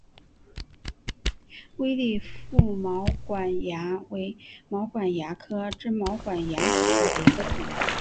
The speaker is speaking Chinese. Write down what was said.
微粒腹毛管蚜为毛管蚜科真毛管蚜属下的一个种。